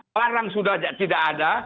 barang sudah tidak ada